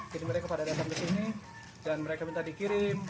jadi mereka pada datang ke sini dan mereka minta dikirim